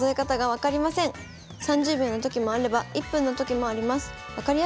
３０秒のときもあれば１分のときもあります。